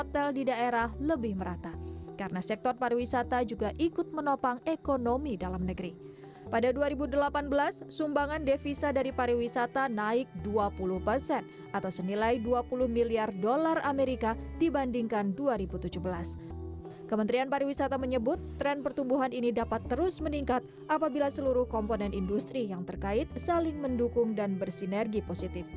tidak akan ditindaklanjuti